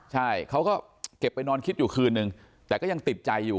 ใช่เขาก็เก็บไปนอนคิดอยู่คืนนึงแต่ก็ยังติดใจอยู่